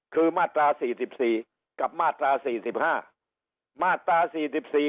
คือมาตราสี่สิบสี่กับมาตราสี่สิบห้ามาตราสี่สิบสี่